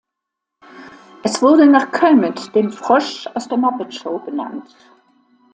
Es wurde nach Kermit dem Frosch aus der Muppet Show benannt.